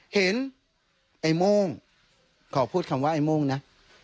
เห็นไอ้โม่งขอพูดคำว่าไอ้โม่งนะ